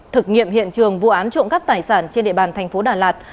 thực nghiệm hiện trường vụ án trộm cắt tài sản trên địa bàn tp đà lạt